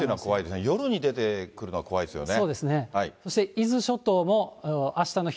夜に出てくるのが怖いですよね。